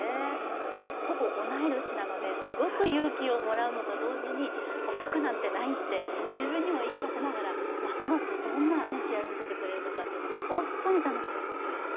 私、ほぼ同い年なので、非常に勇気をもらうと同時に遅くなんてないって自分にも言い聞かせながらますますどんな試合を見せてくれるのか本当に楽しみです。